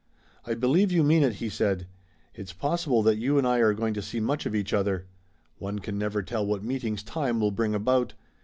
"I believe you mean it," he said. "It's possible that you and I are going to see much of each other. One can never tell what meetings time will bring about.